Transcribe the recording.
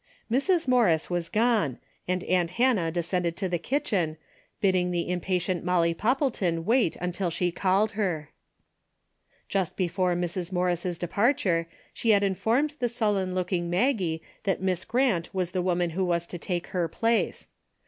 Mrs. Morris was gone, and aunt Hannah descended to the kitchen, bidding the impa tient Molly Poppleton wait until she called her. Just before Mrs. Morris' departure, she had informed the sullen looking Maggie that Miss Grant was the woman who was to take her place.